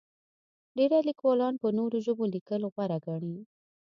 ډېری لیکوالان په نورو ژبو لیکل غوره ګڼي.